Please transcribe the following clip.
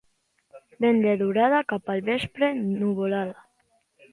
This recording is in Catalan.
Vent de durada, cap al vespre nuvolada.